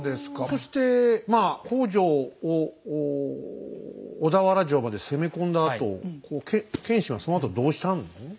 そして北条を小田原城まで攻め込んだあと謙信はそのあとどうしたの？